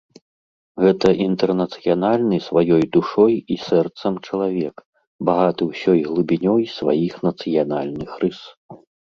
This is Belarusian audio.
Гэта інтэрнацыянальны сваёй душой і сэрцам чалавек, багаты ўсёй глыбінёй сваіх нацыянальных рыс.